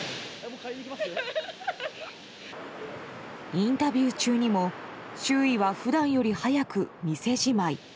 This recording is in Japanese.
インタビュー中にも周囲は普段より早く店じまい。